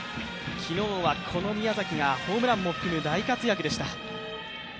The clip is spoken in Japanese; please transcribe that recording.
昨日はこの宮崎がホームランを含む大活躍でした。